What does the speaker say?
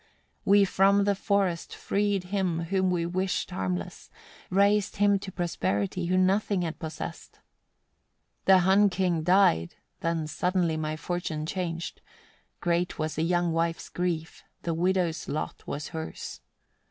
We from the forest freed him whom we wished harmless, raised him to prosperity who nothing had possessed. 99. The Hun king died, then suddenly my fortune changed: great was the young wife's grief, the widow's lot was hers.